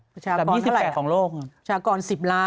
ประชากร๑๐ล้าน